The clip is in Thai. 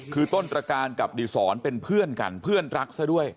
คือต้นตรการกับดีศรเป็นเพื่อนกันเพื่อนรักซะด้วย